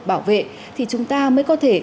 bảo vệ thì chúng ta mới có thể